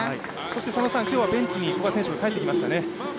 そして今日はベンチに古賀選手帰ってきましたね。